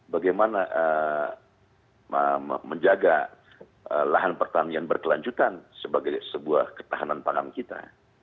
bagaimana menjaga lahan pertanian berkelanjutan sebagai sebuah ketahanan pangan kita